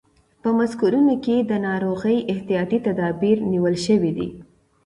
په مرکزونو کې د ناروغۍ احتیاطي تدابیر نیول شوي دي.